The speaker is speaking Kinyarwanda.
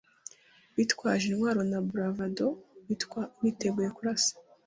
Bitwaje intwaro na bravado biteguye kurasa